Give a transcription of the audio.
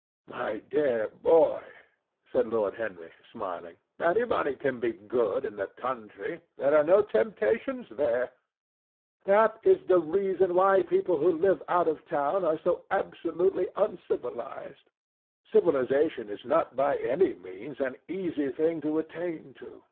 "My dear boy," said Lord Henry, smiling, "anybody can be good in the country. There are no temptations there. That is the reason why people who live out of town are so absolutely uncivilized. Civilization is not by any means an easy thing to attain to.